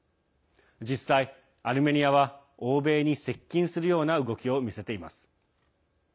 実際、アルメニアは欧米に接近するような動きを見せています。